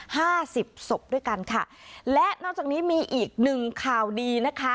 ห้าสิบศพด้วยกันค่ะและนอกจากนี้มีอีกหนึ่งข่าวดีนะคะ